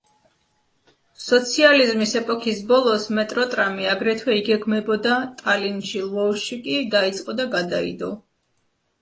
სოციალიზმის ეპოქის ბოლოს მეტროტრამი აგრეთვე იგეგმებოდა ტალინში, ლვოვში კი დაიწყო და გადაიდო.